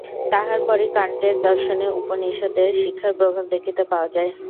তাঁহার পরই কাণ্টের দর্শনে উপনিষদের শিক্ষার প্রভাব দেখিতে পাওয়া যায়।